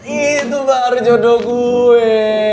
itu baru jodoh gue